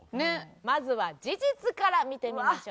まずは事実から見てみましょう。